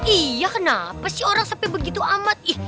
iya kenapa sih orang sepi begitu amat